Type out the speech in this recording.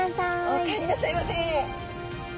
お帰りなさいませ！